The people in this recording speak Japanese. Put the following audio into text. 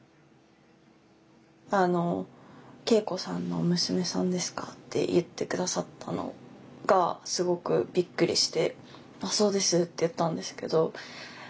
あの圭子さんの娘さんですかって言って下さったのがすごくびっくりしてそうですって言ったんですけど。